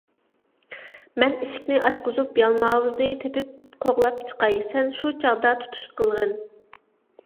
مەن ئىشىكنى ئاچقۇزۇپ، يالماۋۇزنى تېپىپ قوغلاپ چىقاي، سەن شۇ چاغدا تۇتۇش قىلغىن.